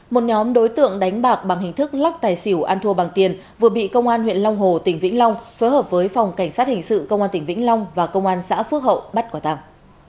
một nhóm đối tượng đánh bạc bằng hình thức lắc tài xỉu ăn thua bằng tiền vừa bị công an huyện long hồ tỉnh vĩnh long phối hợp với phòng cảnh sát hình sự công an tỉnh vĩnh long và công an xã phước hậu bắt quả tàng